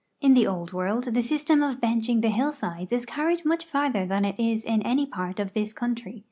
In the Old W'orld the system of benching the hillsides is carried much farther than it is in any part of this country.